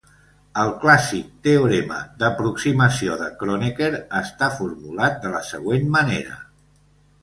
El clàssic teorema d'aproximació de Kronecker està formulat de la següent manera.